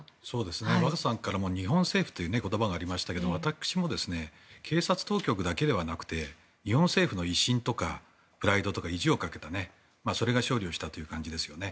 若狭さんからも日本政府という言葉がありましたが私も警察当局だけではなくて日本政府の威信とかプライドとか意地をかけたそれが勝利をしたという感じですよね。